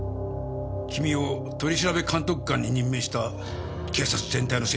君を取調監督官に任命した警察全体の責任だ。